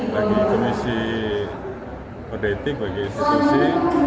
bagi komisi kode etik bagi jenderal polisi